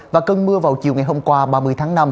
và cơn mưa vào chiều ngày hôm qua ba mươi tháng năm